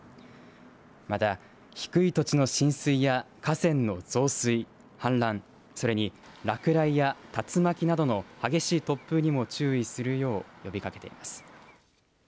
また、低い土地の浸水や河川の増水、氾濫それに落雷や竜巻などの激しい突風にも注意するよう呼びかけています。